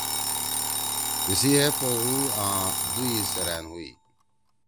تیِسی اے پو ہُو آں دُو ئی سیرأن ہُوئی۔